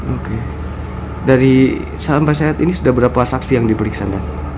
oke dari saham saham ini sudah berapa saksi yang diperiksa nand